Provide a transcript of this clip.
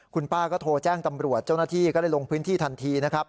คุณป้าก็โทรแจ้งตำรวจเจ้าหน้าที่ก็ได้ลงพื้นที่ทันทีนะครับ